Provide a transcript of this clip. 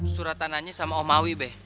surat tanahnya sama omawi beh